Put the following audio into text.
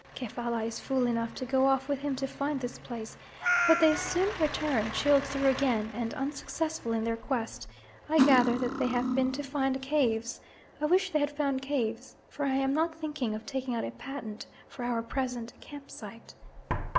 Kefalla is fool enough to go off with him to find this place; but they soon return, chilled through again, and unsuccessful in their quest. I gather that they have been to find caves. I wish they had found caves, for I am not thinking of taking out a patent for our present camp site.